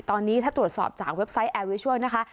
ตอนนี้ถ้าตรวจสอบจากเว็บไซต์แอร์วิชัลนะคะ